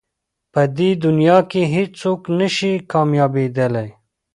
په دې دنیا کې هېڅ څوک نه شي کامیابېدلی.